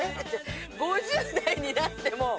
５０代になっても。